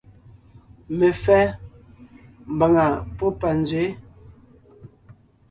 Mefɛ́ (mbàŋa pɔ́ panzwě ).